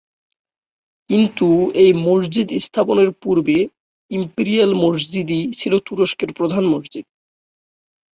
কিন্তু এই মসজিদ স্থাপনের পূর্বে "ইম্পিরিয়াল মসজিদ"-ই ছিল তুরস্কের প্রধান মসজিদ।